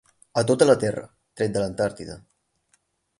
A tota la Terra, tret de l'Antàrtida.